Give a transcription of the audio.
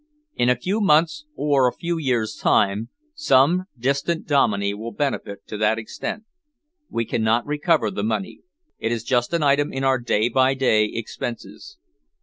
In a few months' or a few years' time, some distant Dominey will benefit to that extent. We cannot recover the money. It is just an item in our day by day expenses."